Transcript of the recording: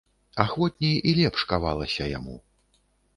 Ахвотней і лепш кавалася яму.